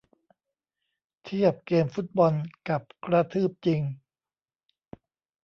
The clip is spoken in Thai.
เทียบ เกมฟุตบอล กับ กระทืบจริง